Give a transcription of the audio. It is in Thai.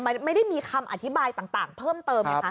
มันไม่ได้มีคำอธิบายต่างเพิ่มเติมไงคะ